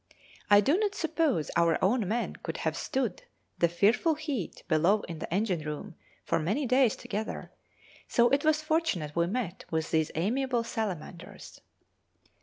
I do not suppose our own men could have stood the fearful heat below in the engine room for many days together, so it was fortunate we met with these amiable salamanders.